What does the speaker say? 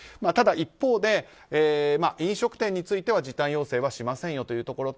ただ一方で飲食店については時短要請はしませんよと。